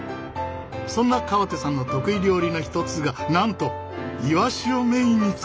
そんな川手さんの得意料理の一つがなんとイワシをメインに使った料理だ。